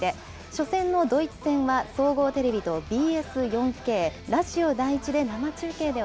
初戦のドイツ戦は総合テレビとＢＳ４Ｋ、ラジオ第１で